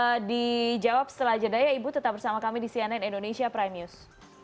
nanti dijawab setelah jeda ya ibu tetap bersama kami di cnn indonesia prime news